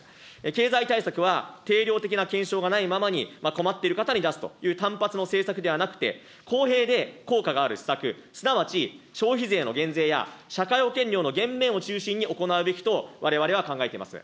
経済対策は定量的な検証がないままに、困っている方に出すという単発の政策ではなくて、公平で効果がある施策、すなわち、消費税の減税や、社会保険料の減免を中心に行うべきとわれわれは考えています。